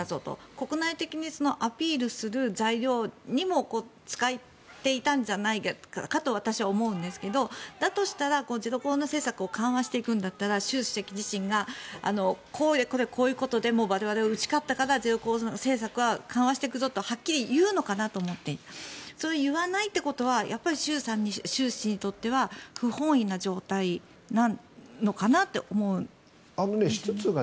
国内的にアピールする材料にも使っていたんじゃないかと私は思うんですけどだとしたら、ゼロコロナ政策を緩和していくんだったら習主席自身がこういうことで我々は打ち勝ったからゼロコロナ政策は緩和していくぞとはっきり言うのかと思ったらそれを言わないということは習氏にとっては不本意な状態なのかなって思うんですが。